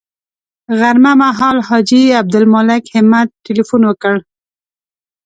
غرمه مهال حاجي عبدالمالک همت تیلفون وکړ.